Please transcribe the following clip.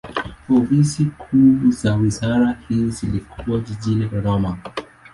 Ofisi kuu za wizara hii zilikuwa jijini Dodoma.